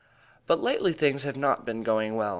But lately things have not been going well.